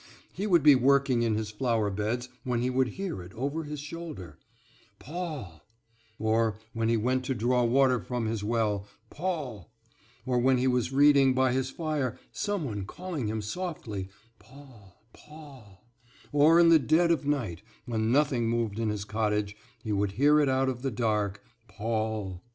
He would be working in his flower beds when he would hear it over his shoulder, "Paul;" or when he went to draw water from his well, "Paul;" or when he was reading by his fire, some one calling him softly, "Paul, Paul;" or in the dead of night, when nothing moved in his cottage he would hear it out of the dark, "Paul."